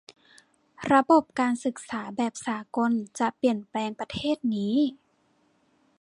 ระบบการศึกษาแบบสากลจะเปลี่ยนแปลงประเทศนี้